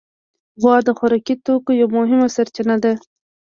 غوا د خوراکي توکو یوه مهمه سرچینه ده.